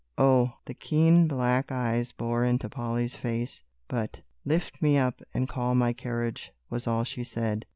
"Oh!" the keen black eyes bored into Polly's face; but "lift me up, and call my carriage," was all she said.